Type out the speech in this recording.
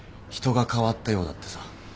人が変わったようだってさ。